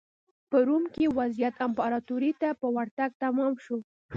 په روم کې وضعیت امپراتورۍ ته په ورتګ تمام شو.